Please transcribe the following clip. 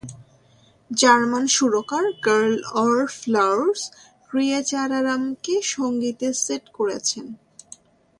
German সুরকার Carl Orff লাউডস ক্রিয়েচারারামকে সঙ্গীতে সেট করেছেন।